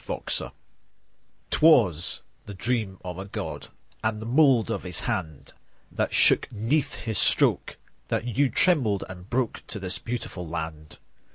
Ireland 'TWAS the dream of a God, And the mould of His hand, That you shook 'neath His stroke, That you trembled and broke To this beautiful land.